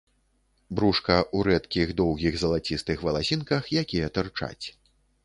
Брушка ў рэдкіх доўгіх залацістых валасінках, якія тырчаць.